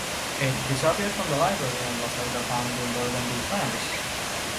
It disappeared from the library and was later found in Burgundy, France.